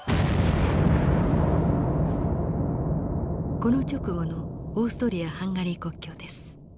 この直後のオーストリア・ハンガリー国境です。